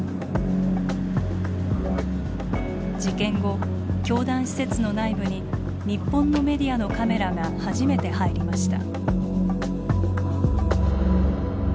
事件後教団施設の内部に日本のメディアのカメラが初めて入りました。